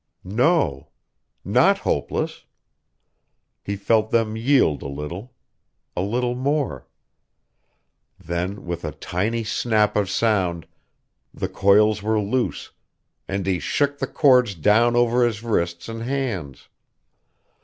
No! Not hopeless! He felt them yield a little, a little more.... Then, with a tiny snap of sound, the coils were loose, and he shook the cords down over his wrists and hands.